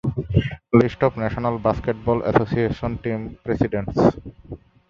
List of National Basketball Association team presidents